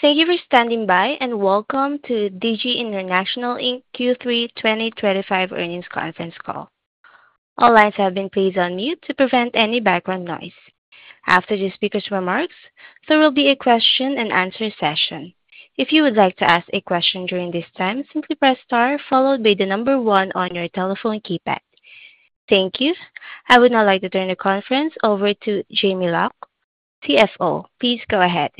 Thank you for standing by and welcome to Digi International Inc.'s Q3 2025 Earnings Conference Call. All lines have been placed on mute to prevent any background noise. After the speakers' remarks, there will be a question and answer session. If you would like to ask a question during this time, simply press star followed by the number one on your telephone keypad. Thank you. I would now like to turn the conference over to Jamie Loch, CFO. Please go ahead.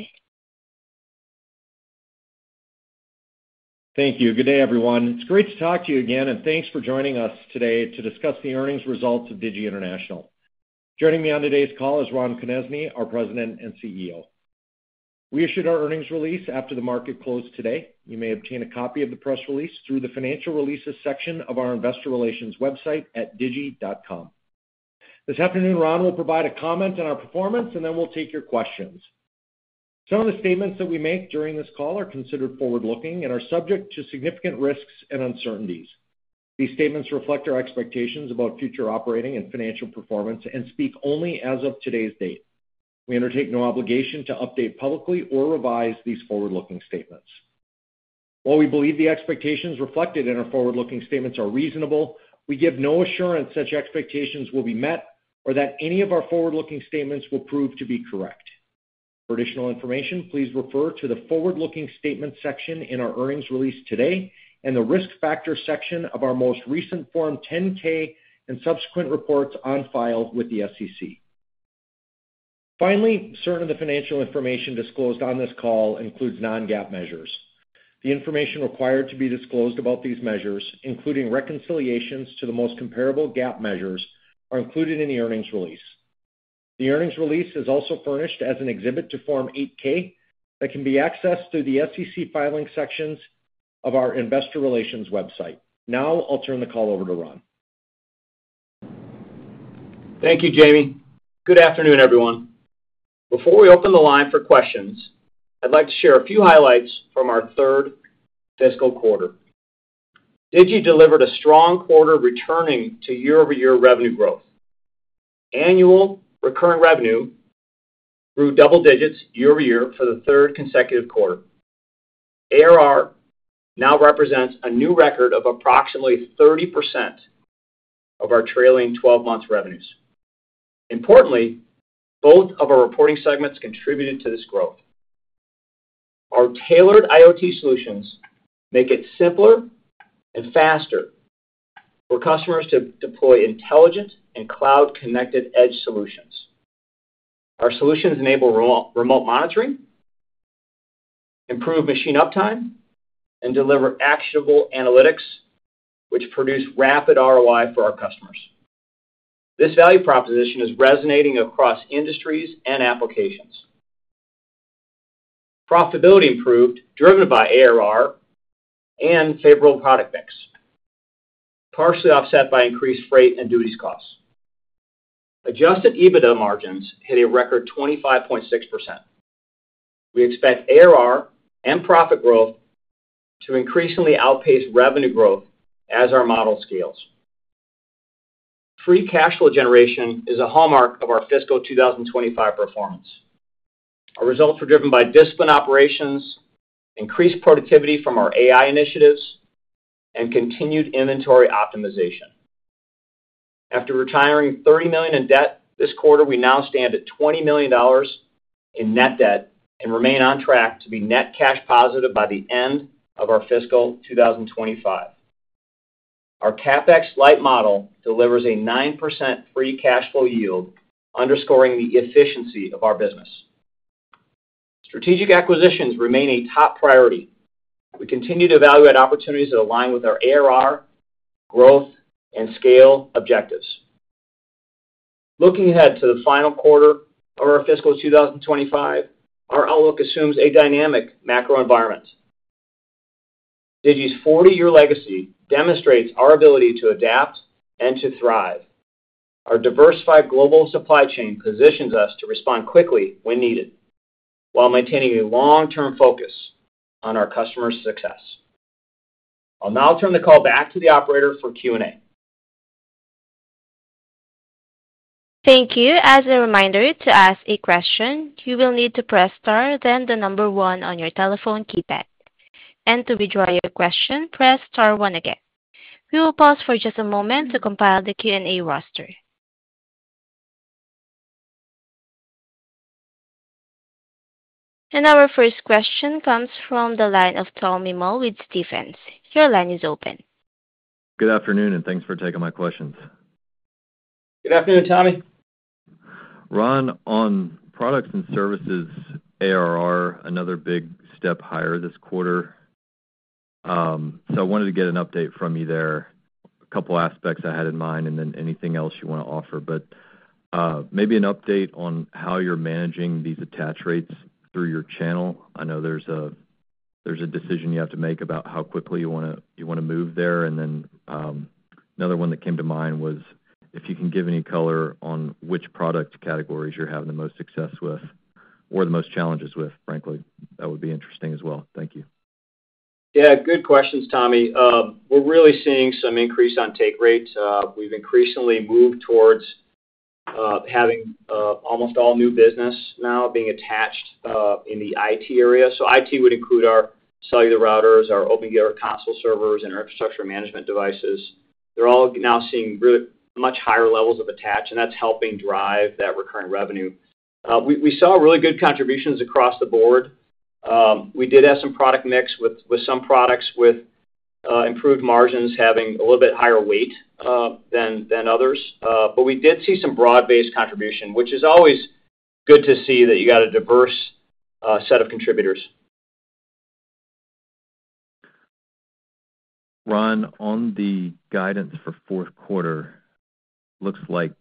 Thank you. Good day, everyone. It's great to talk to you again and thanks for joining us today to discuss the earnings results of Digi International. Joining me on today's call is Ron Konezny, our President and CEO. We issued our earnings release after the market closed today. You may obtain a copy of the press release through the Financial Releases section of our investor relations website at digi.com. This afternoon, Ron will provide a comment on our performance and then we'll take your questions. Some of the statements that we make during this call are considered forward-looking and are subject to significant risks and uncertainties. These statements reflect our expectations about future operating and financial performance and speak only as of today's date. We undertake no obligation to update publicly or revise these forward-looking statements. While we believe the expectations reflected in our forward-looking statements are reasonable, we give no assurance such expectations will be met or that any of our forward-looking statements will prove to be correct. For additional information, please refer to the Forward Looking Statements section in our earnings release today and the Risk Factors section of our most recent Form 10-K and subsequent reports on file with the SEC. Finally, certain of the financial information disclosed on this call includes non-GAAP measures. The information required to be disclosed about these measures, including reconciliations to the most comparable GAAP measures, are included in the earnings release. The earnings release is also furnished as an exhibit to Form 8-K that can be accessed through the SEC filing sections of our investor relations website. Now I'll turn the call over to Ron. Thank you, Jamie. Good afternoon, everyone. Before we open the line for questions, I'd like to share a few highlights from our third fiscal quarter. Digi delivered a strong quarter returning to year-over-year revenue growth. Annual recurring revenue grew double digits year-over-year for the third consecutive quarter. ARR now represents a new record of approximately 30% of our trailing 12-month revenues. Importantly, both of our reporting segments contributed to this growth. Our tailored IoT solutions make it simpler and faster for customers to deploy intelligent and cloud-connected edge solutions. Our solutions enable remote monitoring, improve machine uptime, and deliver actionable analytics, which produce rapid ROI for our customers. This value proposition is resonating across industries and applications. Profitability improved, driven by ARR and favorable product mix, partially offset by increased freight and duties costs. Adjusted EBITDA margins hit a record 25.6%. We expect ARR and profit growth to increasingly outpace revenue growth as our model scales. Free cash flow generation is a hallmark of our fiscal 2025 performance. Our results were driven by disciplined operations, increased productivity from our AI-driven productivity gains, and continued inventory optimization. After retiring $30 million in debt this quarter, we now stand at $20 million in net debt and remain on track to be net cash positive by the end of our fiscal 2025. Our CapEx-light model delivers a 9% free cash flow yield, underscoring the efficiency of our business. Strategic acquisitions remain a top priority. We continue to evaluate opportunities that align with our ARR, growth, and scale objectives. Looking ahead to the final quarter of our fiscal 2025, our outlook assumes a dynamic macro environment. Digi's 40-year legacy demonstrates our ability to adapt and to thrive. Our diversified global supply chain positions us to respond quickly when needed, while maintaining a long-term focus on our customers' success. I'll now turn the call back to the operator for Q&A. Thank you. As a reminder, to ask a question, you will need to press star then the number one on your telephone keypad. To withdraw your question, press star one again. We will pause for just a moment to compile the Q&A roster. Our first question comes from the line of Tommy Moe with Defense. Your line is open. Good afternoon, and thanks for taking my questions. Good afternoon, Tommy. Ron, on products and services, ARR, another big step higher this quarter. I wanted to get an update from you there. A couple of aspects I had in mind and then anything else you want to offer, maybe an update on how you're managing these attach rates through your channel. I know there's a decision you have to make about how quickly you want to move there. Another one that came to mind was if you can give any color on which product categories you're having the most success with or the most challenges with, frankly, that would be interesting as well. Thank you. Yeah, good questions, Tommy. We're really seeing some increase on take rates. We've increasingly moved towards having almost all new business now being attached in the IT area. IT would include our cellular routers, our Opengear console servers, and our infrastructure management devices. They're all now seeing really much higher levels of attach, and that's helping drive that recurring revenue. We saw really good contributions across the board. We did have some product mix with some products with improved margins having a little bit higher weight than others. We did see some broad-based contribution, which is always good to see that you got a diverse set of contributors. Ron, on the guidance for fourth quarter, it looks like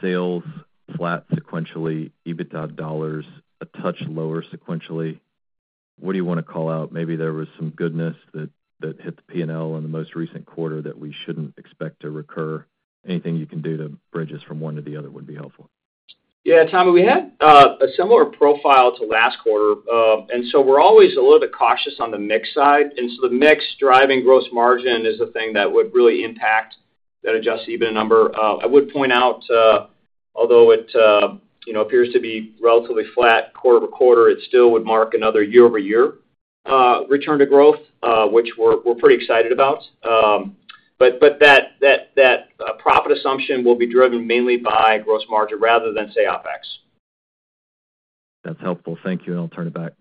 sales flat sequentially, EBITDA dollars a touch lower sequentially. What do you want to call out? Maybe there was some goodness that hit the P&L in the most recent quarter that we shouldn't expect to recur. Anything you can do to bridge us from one to the other would be helpful. Yeah, Tommy, we had a similar profile to last quarter. We're always a little bit cautious on the mix side, and the mix driving gross margin is the thing that would really impact that adjusted EBITDA number. I would point out, although it appears to be relatively flat quarter over quarter, it still would mark another year-over-year return to growth, which we're pretty excited about. That profit assumption will be driven mainly by gross margin rather than, say, OpEx. That's helpful. Thank you. I'll turn it back.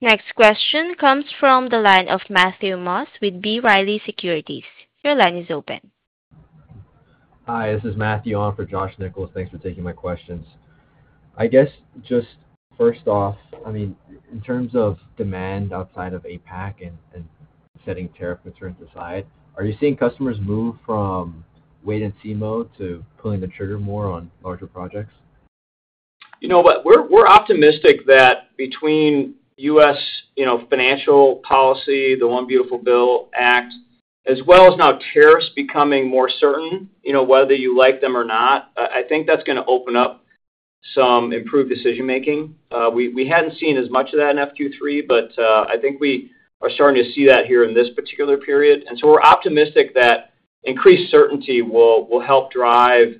Next question comes from the line of Matthew Maus with B. Riley Securities. Your line is open. Hi, this is Matthew on for Josh Nichols. Thanks for taking my questions. I guess just first off, in terms of demand outside of APAC and setting tariff returns aside, are you seeing customers move from wait-and-see mode to pulling the trigger more on larger projects? We're optimistic that between U.S. financial policy, the One Beautiful Bill Act, as well as now tariffs becoming more certain, whether you like them or not, I think that's going to open up some improved decision-making. We hadn't seen as much of that in FQ3, but I think we are starting to see that here in this particular period. We're optimistic that increased certainty will help drive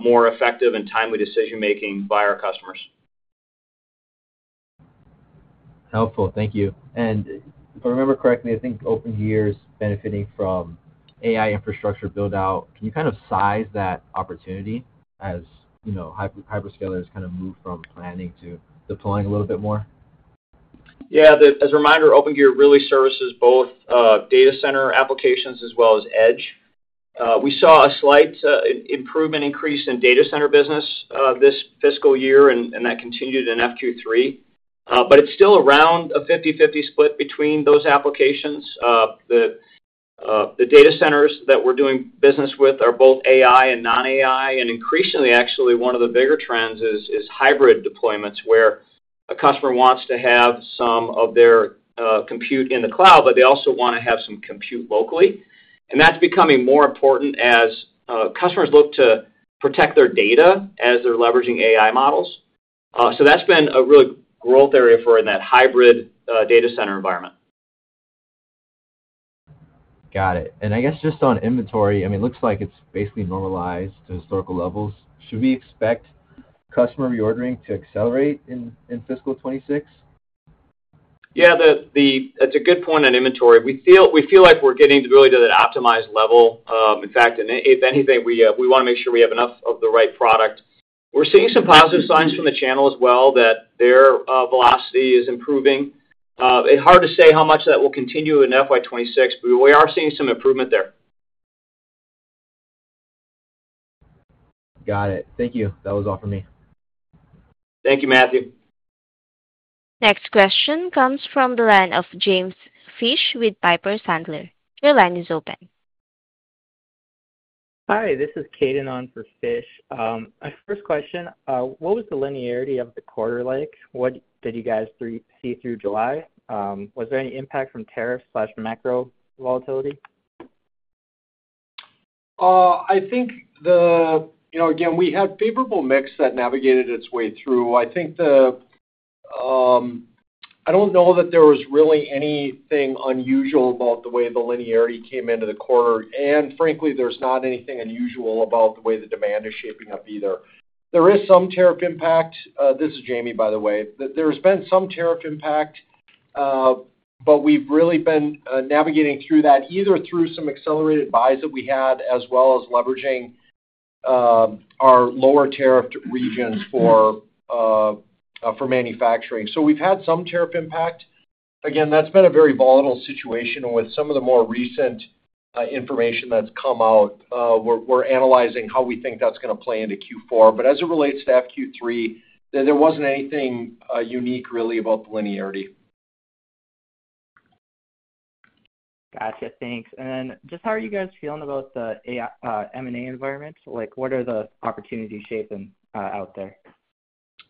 more effective and timely decision-making by our customers. Helpful. Thank you. If I remember correctly, I think Opengear is benefiting from AI infrastructure buildout. Can you kind of size that opportunity as hyperscalers move from planning to deploying a little bit more? Yeah, as a reminder, Opengear really services both data center applications as well as edge. We saw a slight improvement increase in data center business this fiscal year, and that continued in FQ3. It's still around a 50/50 split between those applications. The data centers that we're doing business with are both AI and non-AI, and increasingly, actually, one of the bigger trends is hybrid data center deployments where a customer wants to have some of their compute in the cloud, but they also want to have some compute locally. That's becoming more important as customers look to protect their data as they're leveraging AI models. That's been a really growth area for us in that hybrid data center environment. Got it. I guess just on inventory, it looks like it's basically normalized to historical levels. Should we expect customer reordering to accelerate in fiscal 2026? Yeah, that's a good point on inventory. We feel like we're getting to really to that optimized level. In fact, if anything, we want to make sure we have enough of the right product. We're seeing some positive signs from the channel as well, that their velocity is improving. It's hard to say how much that will continue in FY 2026, but we are seeing some improvement there. Got it. Thank you. That was all for me. Thank you, Matthew. Next question comes from the line of James Fish with Piper Sandler. Your line is open. Hi, this is Caden on for Fish. My first question, what was the linearity of the quarter like? What did you guys see through July? Was there any impact from tariffs/macro volatility? I think we had a favorable mix that navigated its way through. I don't know that there was really anything unusual about the way the linearity came into the quarter. Frankly, there's not anything unusual about the way the demand is shaping up either. There is some tariff impact. This is Jamie, by the way. There's been some tariff impact, but we've really been navigating through that either through some accelerated buys that we had as well as leveraging our lower tariff regions for manufacturing. We've had some tariff impact. That's been a very volatile situation. With some of the more recent information that's come out, we're analyzing how we think that's going to play into Q4. As it relates to FQ3, there wasn't anything unique really about the linearity. Gotcha. Thanks. How are you guys feeling about the M&A environment? What are the opportunities shaping out there?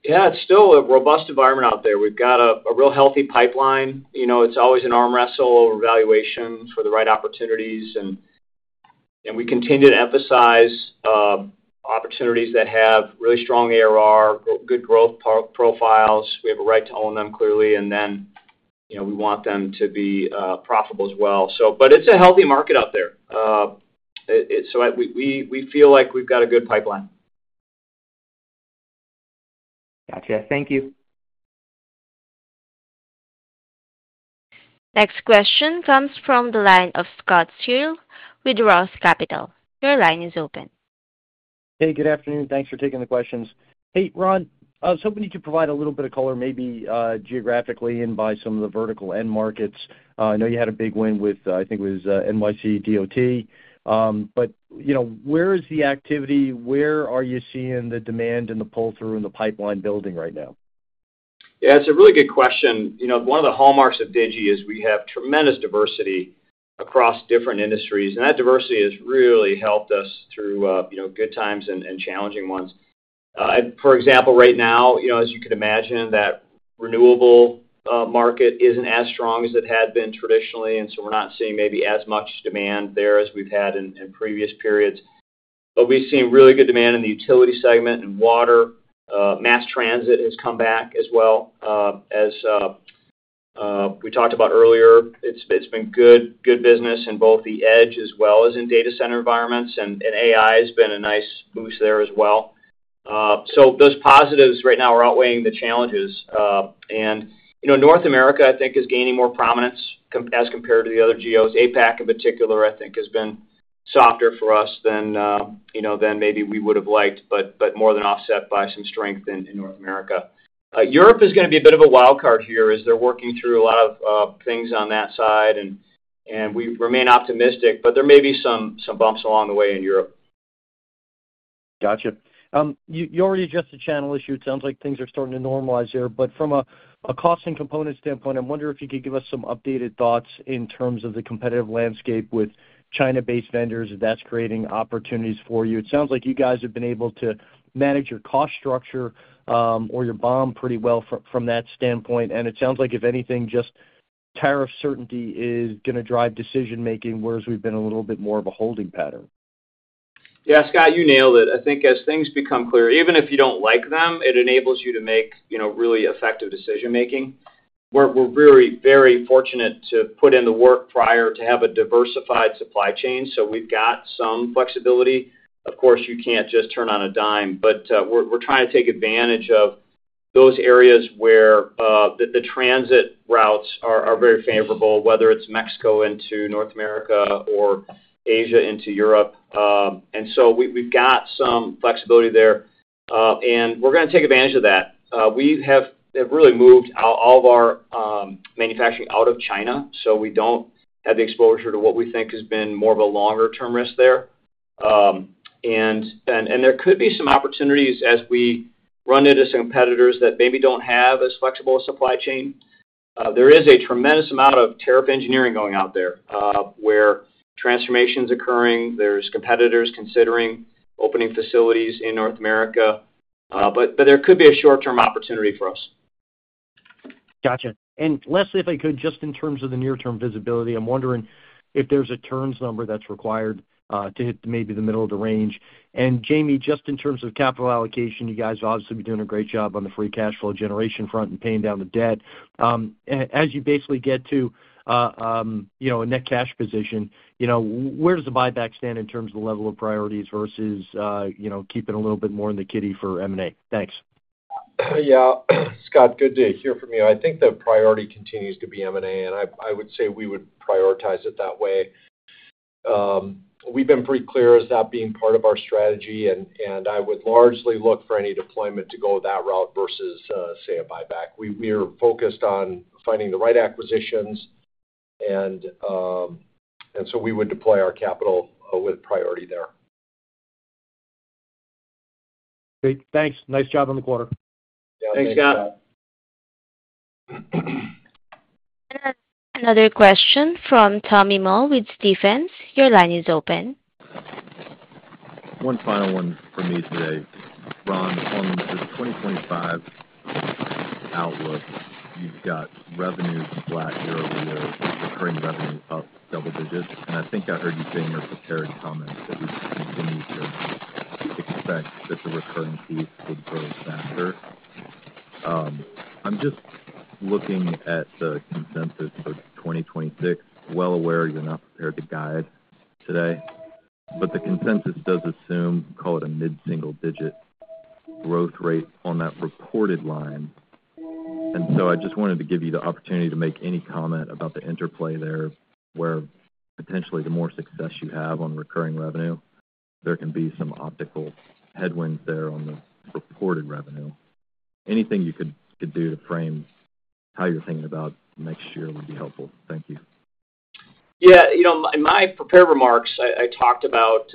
Yeah, it's still a robust environment out there. We've got a real healthy pipeline. You know, it's always an arm wrestle over evaluations for the right opportunities. We continue to emphasize opportunities that have really strong ARR, good growth profiles. We have a right to own them clearly, and we want them to be profitable as well. It's a healthy market out there, so we feel like we've got a good pipeline. Gotcha. Thank you. Next question comes from the line of Scott Searle with Roth Capital. Your line is open. Hey, good afternoon. Thanks for taking the questions. Hey, Ron, I was hoping you could provide a little bit of color maybe geographically and by some of the vertical end markets. I know you had a big win with, I think it was NYC DOT. Where is the activity? Where are you seeing the demand and the pull-through and the pipeline building right now? Yeah, it's a really good question. One of the hallmarks of Digi is we have tremendous diversity across different industries. That diversity has really helped us through good times and challenging ones. For example, right now, as you can imagine, that renewable market isn't as strong as it had been traditionally. We're not seeing maybe as much demand there as we've had in previous periods. We've seen really good demand in the utility segment and water. Mass transit has come back as well. As we talked about earlier, it's been good business in both the edge as well as in data center environments. AI has been a nice boost there as well. Those positives right now are outweighing the challenges. North America, I think, is gaining more prominence as compared to the other geos. APAC in particular, I think, has been softer for us than maybe we would have liked, but more than offset by some strength in North America. Europe is going to be a bit of a wildcard here as they're working through a lot of things on that side. We remain optimistic, but there may be some bumps along the way in Europe. Gotcha. You already addressed the channel issue. It sounds like things are starting to normalize there. From a cost and component standpoint, I'm wondering if you could give us some updated thoughts in terms of the competitive landscape with China-based vendors, if that's creating opportunities for you. It sounds like you guys have been able to manage your cost structure or your BOM pretty well from that standpoint. It sounds like, if anything, just tariff certainty is going to drive decision-making, whereas we've been a little bit more of a holding pattern. Yeah, Scott, you nailed it. I think as things become clear, even if you don't like them, it enables you to make really effective decision-making. We're really very fortunate to put in the work prior to have a diversified supply chain. We've got some flexibility. Of course, you can't just turn on a dime. We're trying to take advantage of those areas where the transit routes are very favorable, whether it's Mexico into North America or Asia into Europe. We've got some flexibility there, and we're going to take advantage of that. We have really moved all of our manufacturing out of China. We don't have the exposure to what we think has been more of a longer-term risk there. There could be some opportunities as we run into some competitors that maybe don't have as flexible a supply chain. There is a tremendous amount of tariff engineering going out there where transformation is occurring. There are competitors considering opening facilities in North America. There could be a short-term opportunity for us. Gotcha. Loch, if I could, just in terms of the near-term visibility, I'm wondering if there's a terms number that's required to hit maybe the middle of the range. Jamie, just in terms of capital allocation, you guys obviously are doing a great job on the free cash flow generation front and paying down the debt. As you basically get to a net cash position, where does the buyback stand in terms of the level of priorities versus keeping a little bit more in the kitty for M&A? Thanks. Yeah, Scott, good to hear from you. I think the priority continues to be M&A. I would say we would prioritize it that way. We've been pretty clear as that being part of our strategy. I would largely look for any deployment to go that route versus, say, a buyback. We are focused on finding the right acquisitions, so we would deploy our capital with priority there. Great. Thanks. Nice job on the quarter. Yeah, thanks, Scott. Another question from Thomas Moe with Defense. Your line is open. One final one for me today. Ron, on the 2025 outlook, you've got revenue flat year-over-year, recurring revenue up double digits. I think I heard you in your facility comments. I'm just looking at the consensus for 2026. I'm well aware you're not prepared to guide today. The consensus does assume, call it a mid-single-digit growth rate on that reported line. I just wanted to give you the opportunity to make any comment about the interplay there, where potentially the more success you have on recurring revenue, there can be some optical headwinds there on the reported revenue. Anything you could do to frame how you're thinking about next year would be helpful. Thank you. Yeah, you know, in my prepared remarks, I talked about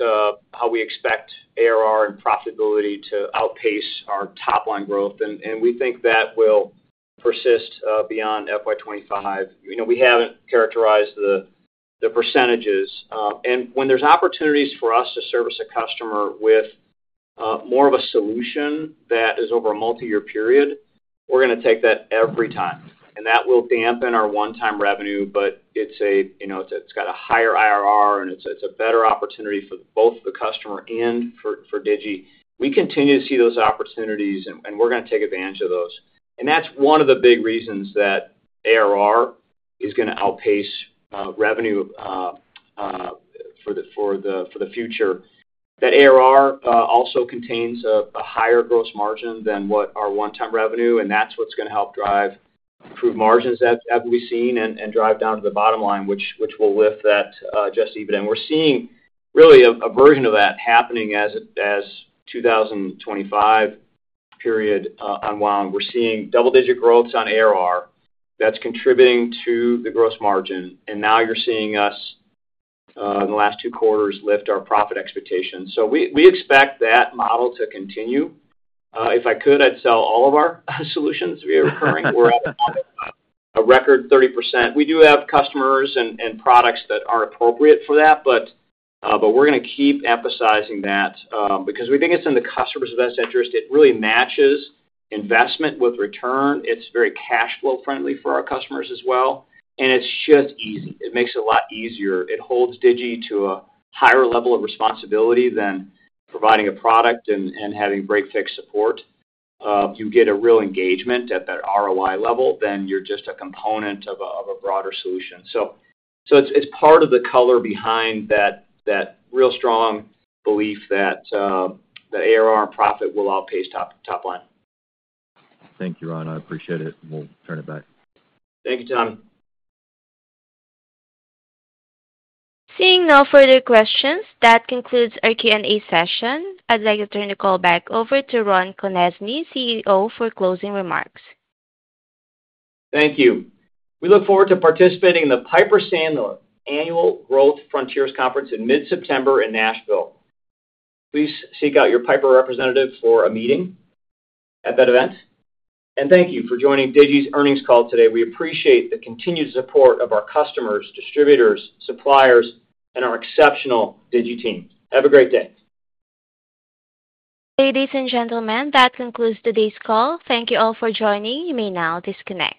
how we expect ARR and profitability to outpace our top-line growth. We think that will persist beyond FY 2025. We haven't characterized the percentages. When there's opportunities for us to service a customer with more of a solution that is over a multi-year period, we're going to take that every time. That will dampen our one-time revenue, but it's got a higher IRR and it's a better opportunity for both the customer and for Digi. We continue to see those opportunities and we're going to take advantage of those. That's one of the big reasons that ARR is going to outpace revenue for the future. That ARR also contains a higher gross margin than what our one-time revenue does, and that's what's going to help drive improved margins that we've seen and drive down to the bottom line, which will lift that adjusted EBITDA. We're seeing really a version of that happening as the 2025 period unwound. We're seeing double-digit growths on ARR that's contributing to the gross margin. Now you're seeing us in the last two quarters lift our profit expectations. We expect that model to continue. If I could, I'd sell all of our solutions via recurring. We're at a record 30%. We do have customers and products that are appropriate for that, but we're going to keep emphasizing that because we think it's in the customer's best interest. It really matches investment with return. It's very cash flow friendly for our customers as well. It's just easy. It makes it a lot easier. It holds Digi to a higher level of responsibility than providing a product and having great fixed support. You get a real engagement at that ROI level, then you're just a component of a broader solution. It's part of the color behind that real strong belief that the ARR profit will outpace top line. Thank you, Ron. I appreciate it. We'll turn it back. Thank you, Tommy. Seeing no further questions, that concludes our Q&A session. I'd like to turn the call back over to Ron Konezny, CEO, for closing remarks. Thank you. We look forward to participating in the Piper Sandler Annual Growth Frontiers Conference in mid-September in Nashville. Please seek out your Piper representative for a meeting at that event. Thank you for joining Digi's earnings call today. We appreciate the continued support of our customers, distributors, suppliers, and our exceptional Digi team. Have a great day. Ladies and gentlemen, that concludes today's call. Thank you all for joining. You may now disconnect.